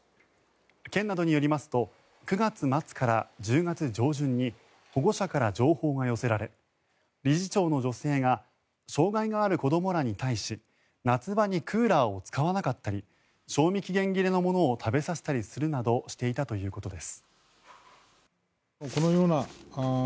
県などによりますと９月末から１０月上旬に保護者から情報が寄せられ理事長の女性が障害のある子どもらに対し夏場にクーラーを使わなかったり賞味期限切れのものを食べさせたりするなどしていたということです。